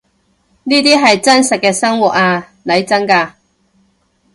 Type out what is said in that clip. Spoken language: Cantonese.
呢啲係真實嘅生活呀，嚟真㗎